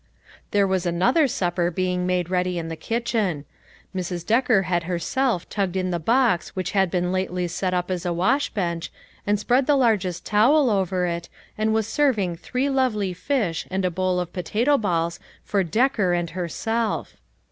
There was another supper being made ready in the kitchen. Mrs. Decker had herself tugged in the box which had been lately set up as a washbench, and spread the largest towel over it, and was serving three lovely fish, and a bowl of potato balls for "Decker" and her self.